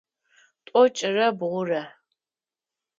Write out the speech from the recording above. Тӏокӏырэ бгъурэ.